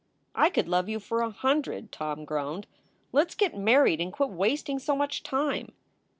"I could love you for a hundred," Tom groaned. "Let s get married and quit wasting so much time."